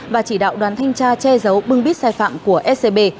và chỉ đạo đoàn thanh tra che giấu bưng bít sai phạm của scb